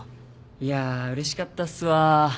いやぁうれしかったっすわ。